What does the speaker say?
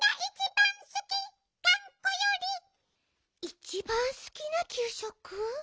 いちばんすきなきゅうしょく？